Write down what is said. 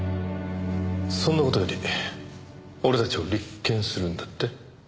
そんな事より俺たちを立件するんだって？